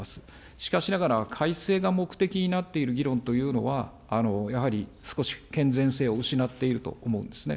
しかしながら、改正が目的になっている議論というのは、やはり少し権限性を失っていると思うんですね。